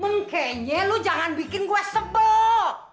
mengkenye lu jangan bikin gue sebok